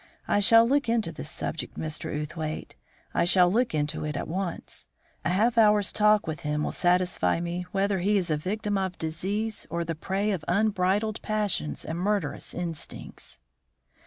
I shall look into this subject, Mr. Outhwaite; I shall look into it at once. A half hour's talk with him will satisfy me whether he is a victim of disease or the prey of unbridled passions and murderous instincts."